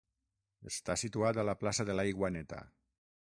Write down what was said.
Està situat a la plaça de l'Aigua Neta.